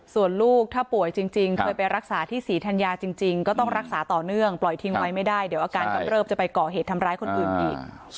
ส่วนลูกถ้าป่วยจริงเคยไปรักษาที่ศรีธัญญาจริงก็ต้องรักษาต่อเนื่องปล่อยทิ้งไว้ไม่ได้เดี๋ยวอาการกำเริบจะไปก่อเหตุทำร้ายคนอื่นอีก